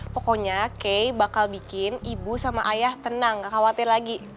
pokoknya kay bakal bikin ibu sama ayah tenang gak khawatir lagi